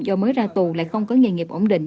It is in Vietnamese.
do mới ra tù lại không có nghề nghiệp ổn định